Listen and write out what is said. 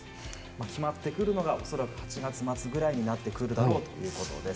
決まってくるのが恐らく８月末くらいになってくるだろうということです。